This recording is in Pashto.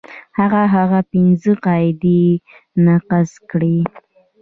که هغه پنځه قاعدې نقض کړي.